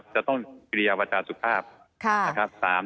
๒จะต้องกิริยาวัตราสุขภาพ